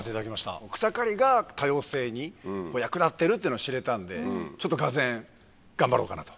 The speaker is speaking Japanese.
草刈りが多様性に役立ってるっていうの知れたんでちょっとがぜん頑張ろうかなと。